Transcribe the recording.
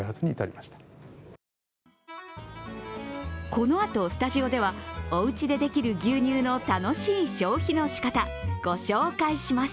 このあと、スタジオではおうちでできる牛乳の楽しい消費の仕方、ご紹介します。